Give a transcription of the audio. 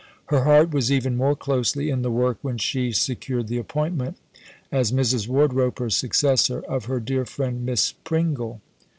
Her heart was even more closely in the work when she secured the appointment, as Mrs. Wardroper's successor, of her dear friend, Miss Pringle.